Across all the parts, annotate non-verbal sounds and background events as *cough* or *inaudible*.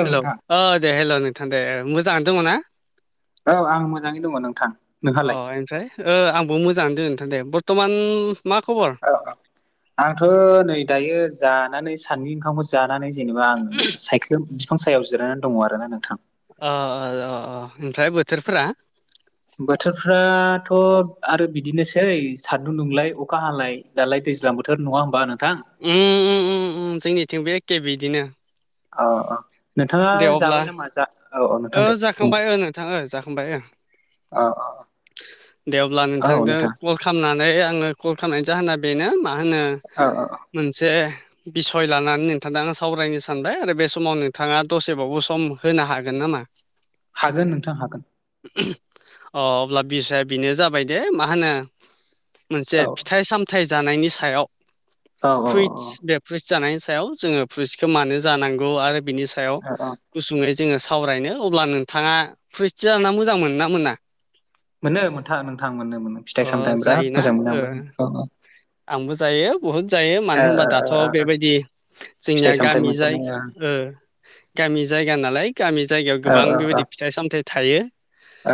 औ हेलौ नोंथां ओ दे हेल' नोंथां दे मोजाङानो दङ ना? औ आं मोजाङै दङ नोंथां। अ नोंहालाय ओनिफ्राय ओ आंबो मोजाङानो दोन नोंथां दे बर्थ'मान मा खबर? औ औ आंथ' नै दायो जानानै साननि ओंखामखौ जानानै। जेनेबा आङो सायख्लुम बिफां सायाव जिरायनानै दङ आरो ना नोंथां। अ अ अ अ ओमफ्राय बोथोरफोरा? बोथोरफ्रा थ' आरो बिदिनोसै सान्दुं दुंलाय अखा हालाय। दालाय दैज्लां बोथोर नङा होनोमबा नोंथां? उम उम उम उम जोंनिथिंबो एखे बिदिनो। औ औ नोंथाङा दे अब्ला जाबाय नामा? जा औ औ नोंथां ओ दे बुं दे जाखांबाय ओ नोंथां ओ जाखांबाय ओ। अ दे अब्ला अ औ नोंथांजों नोंथां कल खालामनानै आङो कल खालामनायनि जाहोना बेनो मा होनो औ औ औ मोनसे बिसय लानानै नोंथांदों आं सावरायनो सानबाय आरो बे समाव नोंथाङा दसेबावबो सम होनो हागोन गोन नामा हागोन नोंथां हागोन। अ अब्ला बिसाया बेनो जाबाय दे मा होनो मोनसे औ फिथाइ सामथाइ जानायनि सायाव औ औ फुइथ्स बे फ्र्रिइ्स जानायनि सायाव जोङो फ्रुइसखौ मानो जानांगौ आरो बिनि सायाव औ औ गुसुङै जोङो सावरायनो अब्ला नोंथाङा फ्रिथि जार ना मोजां मोन ना मोना मोनो मोनथा नोंथां मोननो मोनो अ फिथाइ सामथाइ बिराद जायोना मोजां मोनो ओ आंबो अ अ। आंबो जायो। बहुद जायो ओ मानो होनबा दाथ' ओ बेबायदि फिथाइ जोंनिया सामथाइ गामि जाय मोनसावनाय गामि जायगा नालाय गामि जायगायाव ओ गोबां औ औ बेबायदि फिथाइ सामथाइ थायो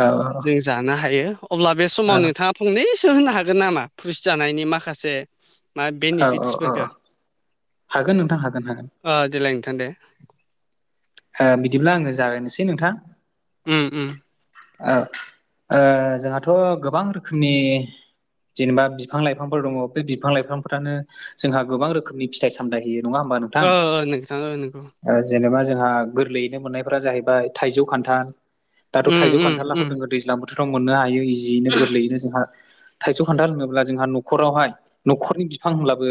औ जों जानो हायो। अब्ला बे औ समाव नोंथाङा फंनैसो होनो हागोन नामा पुलिस जानायनि माखासे मा औ औ औ बेनिफिटसफोरखो हागोन नोंथां हागोन हागोन देलाय नोंथां दे बिदिब्ला आङो जागायोनोसै नोंथां उम उम औ जोंहाथ' गोबां रोखोमनि जेनेबा बिफां लाइफांफोर दङ बे बिफां लाइफांफोरानो जोंहा गोबां रोखोमनि फिथ सामथाय होयो नङा होमबा नों अ नोंथां ओ नंगौ जेनेबा जोंहा गोरलैयैनो मोननायफोरा जाहैबाय थाइजौ खान्थाल दाथ' उम थाइजौ उम खान्थालाखौ उम जोङो दैज्लां बोथोराव मोननो हायो इजियैनो गोरलैयैनो जोंहा थाइजौ खान्थाल लोङोब्ला जोंहा न'खरावहाय न'खरनि बिफां होनब्लाबो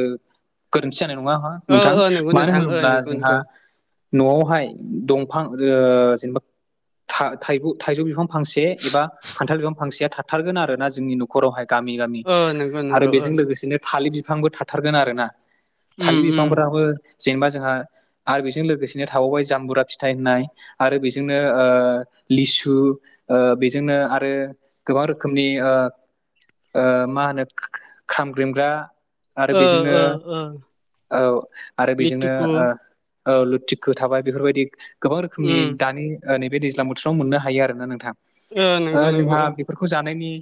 गोरोन्थि जानाय नङा ओ नोंथां ओ नंगौ मानो नोंथां ओ होनोब्ला नंगौ जोंहा नंगौ न'आवहाय दंफां जेनेबा थ थाइजौ बिफां फांसे एबा खान्थाल गोबां फांसेया थाथारोन ना जोंनि न'खरावहाय गामि गामि ओ नंगौ आरो नंगौ ओ बेजों लोगोसेनो थालिर बिफांबो थाथारगोन आरो ना उम थालिर उम बिफांफोराबो जेनेबा जोंहा आरो बेजों लोगोसेनो थाबावबाय जाम्बुरा फिथाइ होननाय आरो बेजोंनो लिसु बेजोंनो आरो गोबां रोखोमनि मा होनो खामग्रमग्रा आरो ओ बेजोंनो ओ ओ औ आरो बेजोंनो लिटुकु लुथिख थाबाय बेफोरबायदि गोबां रोखोमनि उम दानि ओ नैबे दैज्लां बोथोराव मोननो हायो आरो ना नोंथां ओ नंगौ नंगौ जोंहा फोरफोरखौ जानायनि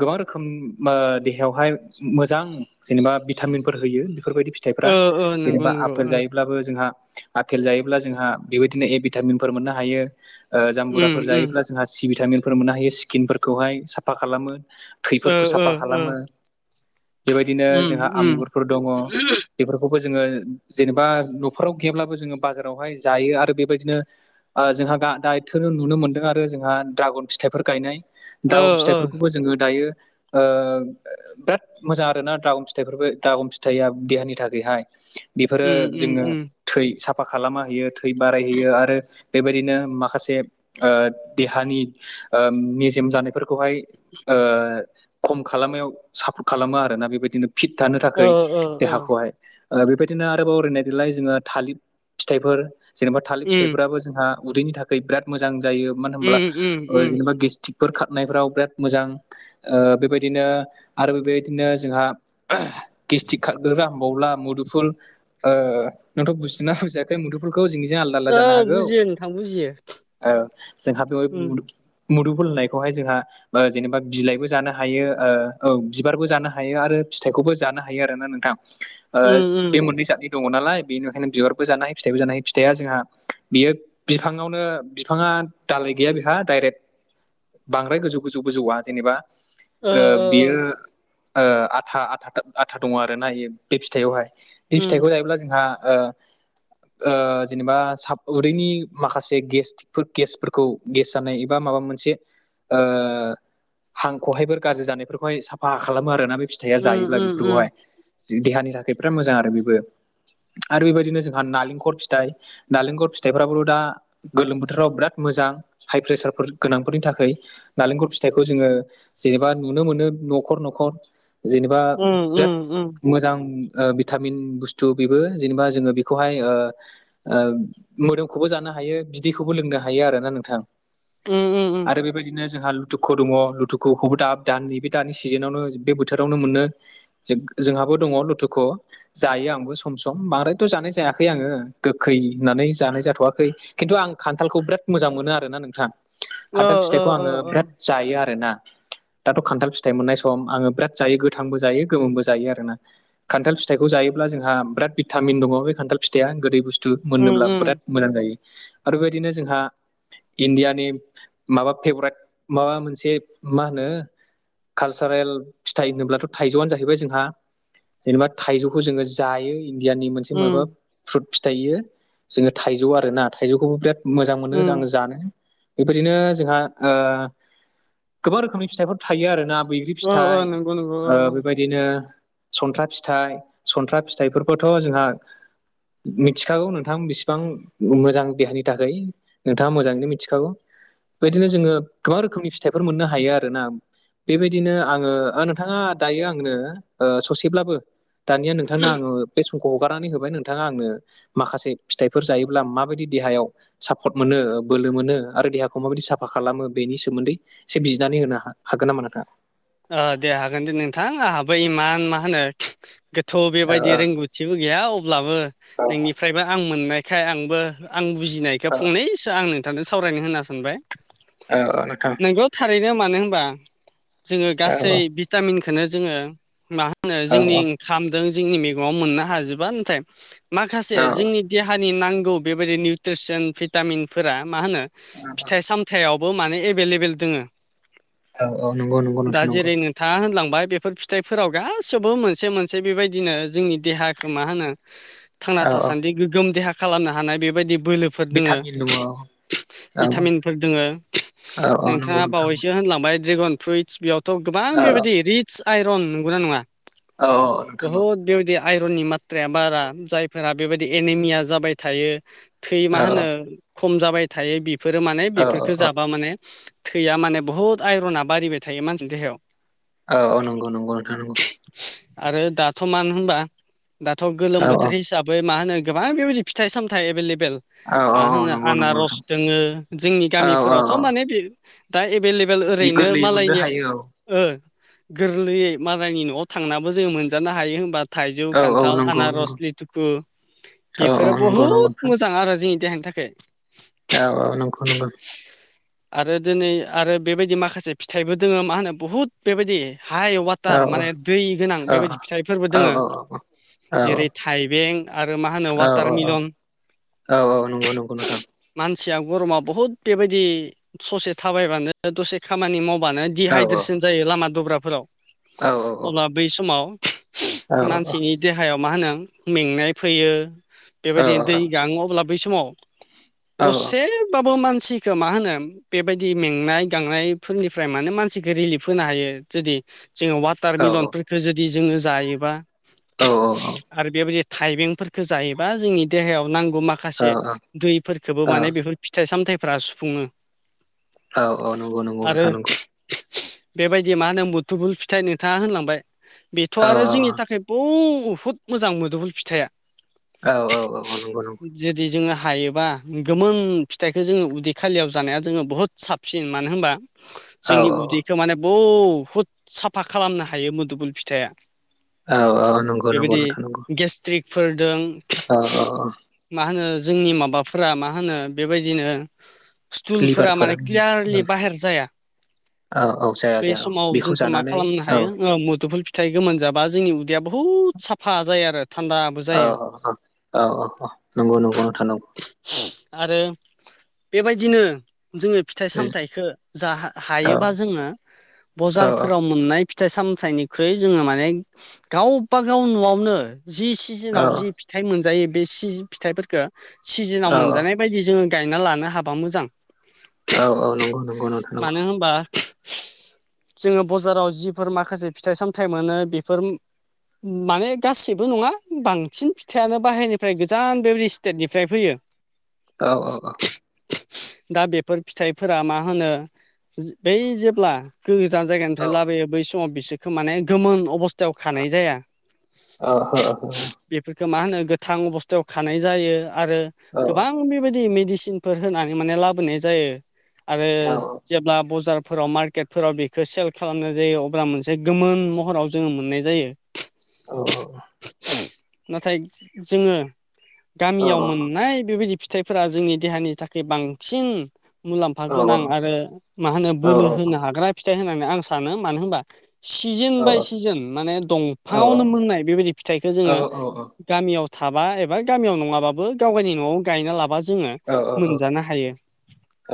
गोबां रोखोम देहायावहाय मोजां जेनेबा भिटामिनफोर होयो बेफोरबायदि फिथाइफ्रा ओ ओ नंगौ जेनेबा नंगौ आफपेल ओ जायो। बो जोंहा आफपेल जायोब्ला जोंहा बेबायदिनो ए भिटामिनफोर मोननो हायो। उम जामबुराफोर उम जायोब्ला जोंहा सि भिटामिनफोर मोननो हायो स्किनफोरखौहाय साफा खालामो। ओ थैफोरखौ ओ साफा ओ खालामो बेबायदिनो उम जोंहा उम आमगुरफोर दङ। बेफोरखौबो जोङो जेनेबा न'खराव गैयाब्लाबो जोङो बाजारावहाय जायो आरो बेबायदिनो जोंहा दा एथ नुनो मोन्दों आरो जोंहा दड्रागन फिथाइफोर गायनाय दाउ ओ ओ फिथाइफोरखौबो जोङो दायो। बिराद मोजां आर ना दागम फिथाइफोरबो दागम फिथाइआ देहानि थाखायहाय बेफोरो उम उम जोङो उम थै साफा खालामा होयो थै बारायहैयो आरो बेबायदिनो माखासे देहानि मेजेम जानायफोरखौहाय खम खालामाव सापर्ट खालामो आरोना बेबायदिनो फिट थानो ओ थाखाय ओ ओ देहाखौहाय बेबायदिनो आरोबावरायनाय दलाय जोङो थालिर फिथाइफोर जेनेबा थालिर उम फिथाइफोराबो जोंहा उदैनि थाखाय बिराद मोजां जायो। मानो होनोमब्ला उम उम उम जेनेबा गेस्टि्रिकफोर खारनायफोराव बिराद मोजां बेबायदिनो आरो बेबायदिनो जोंहा गेस्टिक खारग राबावला मुदुफुल नोंथ' बुजिना बुजाखै आाइ मुदुफोरखौ जोंजों आलदा आलदा ओ जानो हागौ बुजियो नोंथां बुजियो जोंहा बेवहाय उम मुदु फनायखौहाय जोंहा जेनेबा बिलाइबो जानो हायो ओ औ बिबारबो जानो हायो आरो फिथाइखौबो जानो हायो आरो ना नोंथां *inaudible* ओ उम बे मोननै जादनि दङ नालाय बेनिखायनो बिबारबो जानो हायो फिथाइबो जानो हायो फिथाइआ जोंहा बियो बिफाङावनो बिफाङा दालाय गैया बेहा दडाइरेक्ट बांद्राय गोजौ गोजौ गोजौआ जेनेबा ओ ओ ओ बियो आथा आथा आथा दङ आरोना बे फिथाइयावहाय बे फिथाइखौ उम जायोब्ला जोंहा ओ ओ जेनेबा साब उदैनि माखासे गेस फोर गेसफोरखौ गेस जानाय एबा माबा मोनसे ओ हांखौहायबो गाज्रि जानायफोरखौहाय साफा खालामो आरोना बे फि फिथाया उम जायोब्ला उम उम बेफोरखौहाय देहानि थाखाय बिराद मोजां आरो बेबो आरो बेबायदिनो जोंहा नालेंखर फिथाइ नारेंखर फिथाइफ्राबोथ' दा गोलोम बोथोराव बिराद मोजां हाइ प्रेसारफोर गोनांफोरनि थाखाय नालेंखल फिथाइखौ जोङो जेनेबा नुनो मोनो न'खर न'खर जेनेबा उम उम बिराद उम मोजां ओ भिटामिन बुस्थु बेबो जेनेबा जोङो बेखौहाय ओ ओ मोदोमखौबो जानो हायो बिदैखौबो लोंनो हायो आरो ना नोंथां उम उम उम आरो बेबायदिनो जोंहा लुथुखु दङ लुथुखुखौबो दा दानि बे दानि सिजोनावनो बे बोथोरावनो मोनो जों जोंहाबो दङ लुथुखु जायो आंबो सम सम बांद्रायथ' जानाय जायाखै आङो गोखै होननानै जानाय जाथ'वाखै खिन्थु आं खान्थालखौ बिराद मोजां मोनो आरोना नोंथां ओ खान्थाल ओ फिथाइखौ ओ आङो ओ बिराद जायो आरोना दाथ' खान्थाल फिथाइ मोननाय सम आङो बिराद जायो गोथांबो जायो गोमोमबो जायो आरोना खान्थाल फिथाइखौ जायोब्ला जोंहा बिराद भिटामिन दङ बे खान्थाल फिथाइआ गोदै बुस्थु उम मोनोब्ला उम बिराद मोजां जायो आरो बेबायदिनो जोंहा इण्डियानि माबा फेभराइट माबा मोनसे मा होनो कालसारेल फिथाइ होनोब्लाथ' थाइजौआनो जाहैबाय जोंहा जेनेबा थाइजौखौ जोङो जायो इण्डियानि मोनसे उम माबा फ्रुट फिथाइयो जोङो थाइजौ आर ना थाइजौखौबो बिराद मोजां मोनो उम आं जानो बेबायदिनो जोंहा ओ गोबां रोखोमनि फिथाइफोर थायो आरोना बै ग्रि ओ ओ फिथाय नंगौ नंगौ ओ बेबायदिनो सनथ्रा फिथाय सनथ्रा फिथायफोर खौथ' जोंहा मिथिखागौ नोंथां बिसिबां मोजां देहानि थाखाय नोंथाङा मोजाङैनो मिथिखागौ बेदिनो जोङो गोबां रोखोमनि फिथाइफोर मोननो हायो आरो ना बेबायदिनो आङो नोंथाङा दायो आंनो ओ ससेब्लाबो दानिया नोंथांनो आङो बे समखौ हगारनानै होबाय नोंथाङा आंनो माखासे फिथाइफोर जायोब्ला माबायदि देहायाव सापर्ट मोनो बोलो मोनो आरो देहाखौ माबायदि साफा खालामो बेनि सोमोन्दै एसे बिजनानै होनो हा हागोन नामा नोंथाङा ओ दे हागोन दे नोंथां आंहाबो इमान मा होनो गोथौ औ बेबायदि रोंगौथि थिबो गैया अब्लाबो औ नोंनिफ्रायबो आं मोननायखाय आंबो आं बु बुजिनायखौ फंनैसो आं नोंथांजों सावरायनो होना सानबाय औ औ नोंथां नोंगौ थारैनो मानो होनबा जोङो औ गासै भिटामिनखौनो जोङो मा होनो औ जोंनि खामदों जोंनि मैगङाव मोननो हाजोबा नाथाय माखासे औ जोंनि देहानि नांगौ बेबायाददि निउट्रिसन भिटामिन फोरा मा होनो फिथाइ साम फिथायावबो माने एभेलेबेल दोङो औ औ नंगौ नंगौ नोंथां नगौ। नोंथा होनलांबाय बेफोर फिथाइफोराव गासैबो मोनसे मोनसे बेबायदिनो जोंनि देहाखौ मा होनो थांना औ औ थासान्दि गोग्गोम देहा खालामनो हानाय बेबायदि बोलोब भिटामिन दङ औ भिटामिनफोर दोङो औ औ नंगौ नोंथाङा नोंथां औ बावैसो होनलांबाय ड्रेगन फ्रुइटस बेयावथ' गोबां औ बेबायदि रितस आइरन नंगौना नङा औ औ नोंथां औ बहुद बेबायदि आइरननि मत्राया बारा जायफोरा बेबायाददि एनिमिया जाबाय थायो थै औ मा होनो खम जाबाय थायो बेफोरो माने औ बेफोरफोरखौ औ जाबा माने थैया माने बहुद आयरना बारिबाय थायो मानसिनि देहायाव। औ औ नंगौ नंगौ नोंथां नंगौ। आरो दाथ' मानो होनबा दाथ' गोलोम औ औ बोथोर हिसाब बै मा होनो गोबां बेबायदि फिथाइ सामथाइ एभेलेबेल औ औ मा औ होनो नंगौ नंगौ आनारस नोंथां दोङो जोंनि औ औ औ गामिफोरावथ' माने बे दा एभेलेबेल ओरैनो गोरलैयै मोननो मालायनियाव हायो गोरलैयै मालायनि न'आव थांनाबो जोङो मोनजानो हायो होमबा थाइजौ, औ औ खान्थाल, नंगौ नंगौ आनारस, लेटुखु औ औ बेफोरो नंगौ नंगौ बहुद नोंथां मोजां आरो जोंनि देहानि थाखाय औ औ नंगौ नंगौ। आरो दिनै आरो बेबायदि माखासे फिथाइबो दोङो मा होनो बुहुत बेबायदि हाइ वाट औ थार माने दै गोनां औ बेबायदि फिथाइफोरबो औ दोङो। औ औ जेरै थाइबें आरो मा होनो औ वाटार मिलन। औ औ नंगौ नंगौ नोथां। मानसिया गरमा बहुद बेबायदि ससे थाबायबानो दसे खामानि मावबानो औ दिहाइद्रेसन जायो लामा दब्राफोराव औ अब्ला बै समाव औ औ मानसिनि देहायाव मा होनो मेंनाय फैयो बेबायदिनो दै गाङो अब्ला बै समाव दसे बाबो मानसिखौ मा होनो बेबायदि मेंनाय गांनाय फोरनिफ्राय माने मानसिखौ रिलिफ होनो हायो जुदि जोङो वाटार मिलनफोर खौ जुदि जोङो जायोबा औ आरो बेबादि थाइबेंफोरफोरखौ जायोबा जोंनि देहायाव नांगौ माखासे औ दैफोरखौबो औ माने बेफोर फिथाइ सामथाइफ्रा सुफुङो। औ औ नंगौ नंगौ आरो नोंथां नंगौ। बेबायदि मा होनो मुथुुबुल फिथाइ नोंथाङा होनलांबाय बेथ' औ आरो जोंनि थाखाय बुहुद मोजां मोदोफुल फिथाइया औ औ औ नंगौ नंगौ। जुदि जोङो हायोबा गोमोन फिथाइखौ जोङो उदै खालियाव जानाया जोङो बुहुत साबसिन मानो होनबा औ जोंनि उदैखौ माने बुहुद साफा खालामनो हायो मोदुफुल फिथाइया। औ औ नंगौ नंगौ बेबायदि नोंथां नंगौ गेस्ट्रिकफोर दं औ औ औ मा होनो जोंनि माबाफोरा मा होनो बेबायदिनो स्टुलफोरा लिभारफोर माने क्लियारलि बाहेर जाया औ औ। जाया बे जाया औ समाव बेखौ जोंखौ मा जानानै खालामनो औ हायो मोदुफुल फिथाइ गोमोन जाबा जोंनि उदैया बहुत साफ फा जायो आरो थान्दाबो औ जायो। औ औ नंगौ नंगौ नोंथां नंगौ। आरो बेबायदिनो जोङो फिथाइ उम सामथाइखो जा औ हायोबा जोङो औ बजारफोराव मोननाय फिथाइ सामथाइनिख्रुइ जोङो माने गावबा गाव न'आवनो जि सिजोनाव जि फि थाइ मोनजायो बे सि फिथाइफोरखो सिजोनाव औ मोनजानाय बायदि जोङो गायना लानो हाबा मोजां। औ औ नंगौ नंगौ नोंथां नंगौ मानो होमबा जोङो बजाराव जिफोर माखासे फिथाइ सामथाइ मोनो बेफोर माने गासिबो नङा बांसिन फिथाइयानो बाहेरनिफ्राय गोजान बेबादि स्टेटनिफ्राय फैयो। *inaudible* औ औ औ दा बेफोर फिथाइफोरा मा होनो बै जेब्ला गोजान औ जायगानिफ्राय लाबोयो बै समाव बिसोरखौ माने गोमोन अबस थायाव खानाय जाया। हो हो औ बेफोरखौ मा होनो गोथां अबस्थायाव खानाय जायो आरो गोबां गोबां बेबायदि मेडिसिनफोर होनानै माने लाबोनाय जायो आरो जेब्ला बजारफोराव मार्केटफोराव बेखौ सेल खालामनाय जायो अब्ला मोनसे गोमोन महराव जोङो मोननाय जायो। नाथाय जोङो औ गामियाव मोननाय बेबायदि फिथाइफोरा जोंनि देहानि थाखाय बांसिन मुलाम्फा गोनां औ आरो मा होनो बोलो होनो हाग्रा फिथाइ होननानै आं सानो मानो होनबा सिजोन बाय सिजोन माने दंफाङावनो मोननाय बेबायदि फिथाइखौ औ जोङो गामियाव थाबा एबा गामियाव नङाबाबो गाव गावनि न'आव गायना लाबा जोङो औ मोनजानो हायो।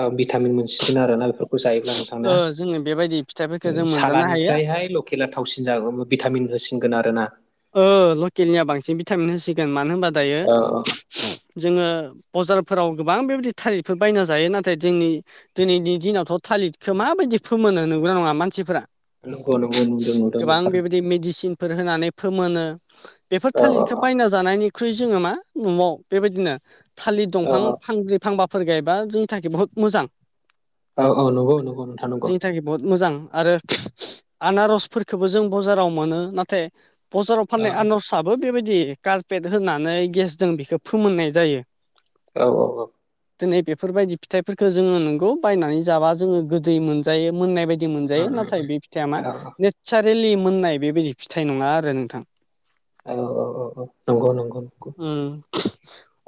औ भिटामिन मोनसिगोन आरो ना बेफोरखौ जायोब्ला नोंथां। ना ओ जोङो बेबायदि फिथाइफोर सालानिफ्रायहाय लकेला थावसिन जागोन भिटामिन होसिनगोन आरो ना? ओ लकेलनिया बांसिन भिटामिन होसिगोन मानो होनबा दायो औ औ जोङो बजारफोराव गोबां बेबायदि थारिफोर बायना जायो नाथाय जोंनि दिनैनि दिनावथ' थालिरखौ माबायदि फोमोनो नुग्रा नङा मानसिफोरा नंगौ नंगौ नुदों नुदों गोबां नुखादों बेबायदि मेडिसिन फोर होनानै फोमोनो बेफोर औ औ थालिर बायनानै जानायनिख्रुय जोङो मा न'आव बेबायदिनो थालिर औ दंफां फांब्रै फांबा फोर गायबा जोंनि थाखाय बहुत मोजां। औ औ नंगौ नंगौ नोंथां नंगौ जोंनि थाखाय बहुत मोजां आरो आनारसफोरफोरखौबो जों बाजाराव मोनो नाथाय बजाराव औ फाननाय आनारसाबबो बेबायदि कारपेट होनानै गेसजों बेखौ फोमोननाय जायो। औ औ औ दिनै बेफोरबायदि फिथाइफोरखौ जोङो नंगौ बायनानै जाबा जोङो गोदै मोनजायो मोननाय बाय दि उम मोनजायो नाथाय बे फिथाइया मा औ नेचारेलि मोननाय बेबायदि फिथाइ नङा आरो नोंथां। औ औ औ नंगौ नंगौ ओं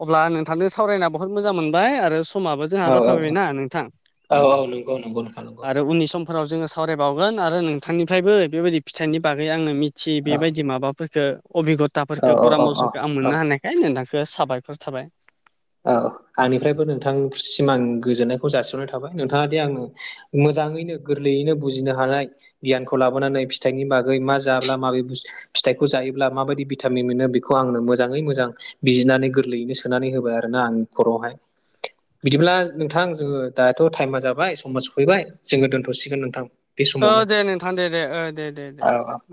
अब्ला नोंथांजों सावरायना बुहुत मोजां मोनबाय आरो समाबो जोंहा औ औ जाफायायनाा नोंथां औ औ नंगौ नंगौ नोंथां नंगौ आरो उननि सम फोराव जोङो सावरायबावगोन आरो नोंथांनिफ्रायबो बेबायदि फिथाइनि बागै आङो मि थियि औ बेबायदि माबाफोरफोरखौ औ अबिगथाफोरफोरखौ औ परामर्स औ औ मोननो हानायखाय नोंथांखौ साबायखर थाबाय। औ आंनिफ्रायबो नोंथांसिम आं गोजोननायखौ जासिहरनाय थाबाय नोंथाङा दि आंनो मोजाङैनो गोरलैयैनो बुजिनो हानाय गियानखौ लाबोनानै फिथाइनि बागै मा जाब्ला माबोरै बु फिथाइखौ जायोब्ला माबायदि भिटामिन मोनो बेखौ आंनो मोजाङै मोजां बिजिनानै गोरलैयैनो सोनानै होबाय आरो ना आं खरआवहाय बिदिब्ला नोंथां जोङो दाथ' टाइमा जाबाय समाज सफैबाय जोङो दोन्थ'सिगोन नोंथां बे औ समावनो दे नोंथां दे दे दे दे दे औ औ औ